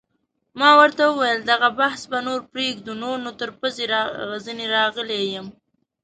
ما وویل: دغه بحث به پرېږدو، نور نو تر پزې ځیني راغلی یم.